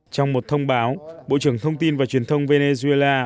trong một thông báo bộ trưởng thông tin và truyền thông venezuela